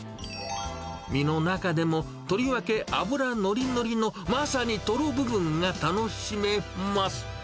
身の中でもとりわけ脂乗り乗りの、まさにトロ部分が楽しめます。